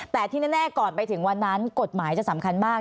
แต่ที่แน่ก่อนไปถึงวันนั้นกฎหมายจะสำคัญมาก